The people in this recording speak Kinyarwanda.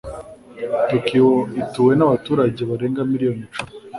Tokiyo ituwe n'abaturage barenga miliyoni icumi.